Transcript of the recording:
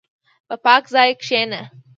په پاک ځای کښېنه.